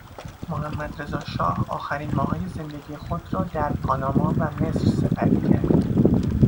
محمدرضا شاه آخرین ماههای زندگی خود را در پاناما و مصر سپری کرد